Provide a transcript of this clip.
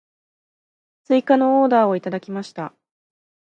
追加のオーダーをいただきました。